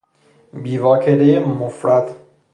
بیواکهی مفرد